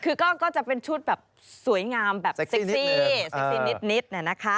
คือก็จะเป็นชุดสวยงามแบบเซ็กซี่นิดนะ